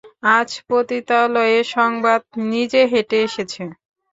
আজ পতিতালয়ে সংবাদ নিজে হেঁটে এসেছে!